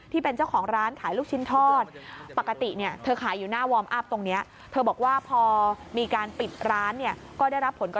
ที่เป็นเจ้าของร้านขายลูกชิ้นทอด